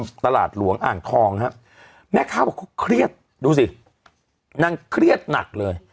แม่ข้าวเขาเครียดดูซินั่งเครียดหนักเลย